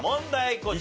こちら。